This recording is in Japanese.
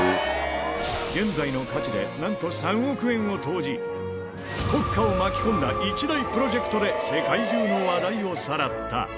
現在の価値でなんと３億円を投じ、国家を巻き込んだ一大プロジェクトで、世界中の話題をさらった。